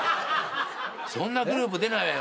そんなグループ出ないわよ。